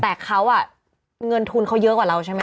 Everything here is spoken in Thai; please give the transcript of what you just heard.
แต่เขาเงินทุนเขาเยอะกว่าเราใช่ไหม